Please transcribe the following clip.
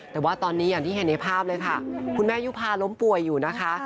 แต่ว่าตอนนี้อย่างที่เห็นในภาพเลยค่ะคุณแม่ยุภาล้มป่วยอยู่นะคะ